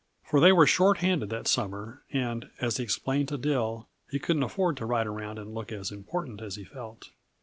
For they were short handed that summer and, as he explained to Dill, he couldn't afford to ride around and look as important as he felt.